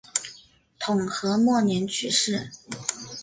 统和末年去世。